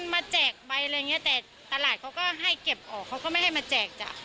ไม่ค่อยสงสิ่งกับเขาอยู่คุณละที่จ้ะ